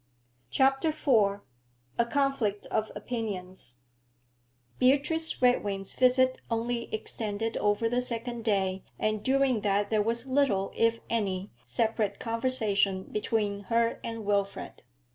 CHAPTER IV A CONFLICT OF OPINIONS Beatrice Redwing's visit only extended over the second day, and during that there was little, if any, separate conversation between her and Wilfrid.